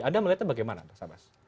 anda melihatnya bagaimana pak abas